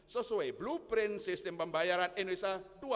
sesuai blueprint sistem pembayaran indonesia dua ribu dua puluh